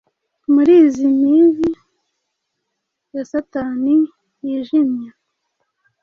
Muri izi Mili ya Satani yijimye?